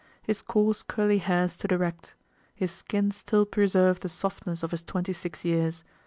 His coarse curly hair stood erect. His skin still preserved the softness of his twenty six years.